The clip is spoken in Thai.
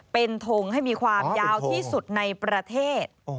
เป็นทงให้มีความยาวที่สุดในประเทศ